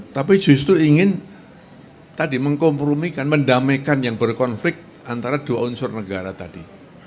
tapi justru ingin tadi mengkompromikan mendamaikan yang berkonflik antara dua unsur negara tadi